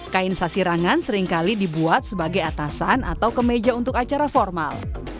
kain sasirangan seringkali dibuat sebagai atasan atau kemeja untuk acara formal